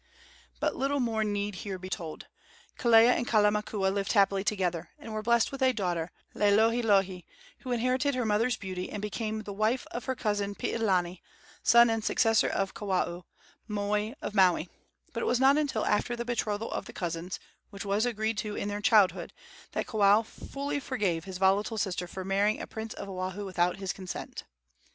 But little more need here be told. Kelea and Kalamakua lived happily together, and were blessed with a daughter, Laielohelohe, who inherited her mother's beauty, and became the wife of her cousin Piilani, son and successor of Kawao, moi of Maui; but it was not until after the betrothal of the cousins, which was agreed to in their childhood, that Kawao fully forgave his volatile sister for marrying a prince of Oahu without his consent.